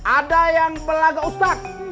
ada yang belaga ustadz